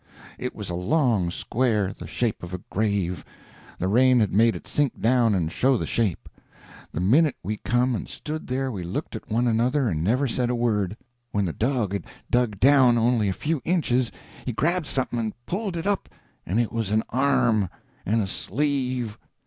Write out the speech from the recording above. ] It was a long square, the shape of a grave; the rain had made it sink down and show the shape. The minute we come and stood there we looked at one another and never said a word. When the dog had dug down only a few inches he grabbed something and pulled it up, and it was an arm and a sleeve.